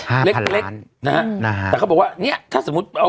เล็กเล็กนะฮะนะฮะแต่เขาบอกว่าเนี้ยถ้าสมมุติเอา